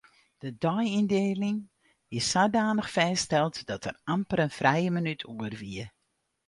De deiyndieling wie sadanich fêststeld dat der amper in frije minút oer wie.